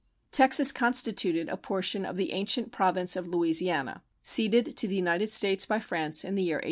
Texas constituted a portion of the ancient Province of Louisiana, ceded to the United States by France in the year 1803.